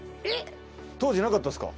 当時なかったですか？